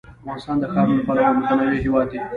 افغانستان د ښارونو له پلوه یو متنوع هېواد دی.